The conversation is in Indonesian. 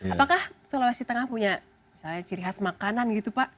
apakah sulawesi tengah punya misalnya ciri khas makanan gitu pak